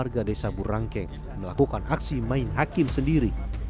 sehingga kemudian kembali ke rumah keluarga desa burangkeng melakukan aksi main hakim sendiri